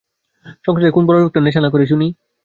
সংসারে কোন বড়লোকটা নেশা করে না শুনি?